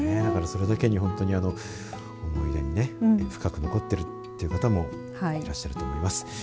それだけに思い出に深く残ってるという方もいらっしゃると思います。